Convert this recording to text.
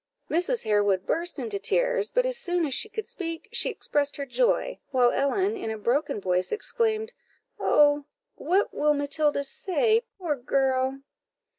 Mrs. Harewood burst into tears; but as soon as she could speak, she expressed her joy, while Ellen, in a broken voice, exclaimed "Oh, what will Matilda say, poor girl?"